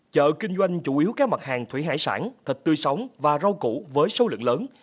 chợ kinh doanh chủ yếu các mặt hàng thủy hải sản thịt tươi sống và rau củ với số lượng lớn